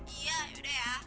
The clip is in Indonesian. iya yaudah ya